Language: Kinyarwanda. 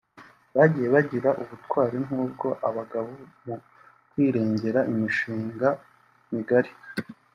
Bagiye bagira ubutwari nk’ubwo abagabo mu kwirengera imishinga migari